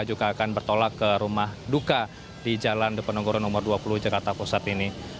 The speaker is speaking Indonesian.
juga akan bertolak ke rumah duka di jalan deponegoro nomor dua puluh jakarta pusat ini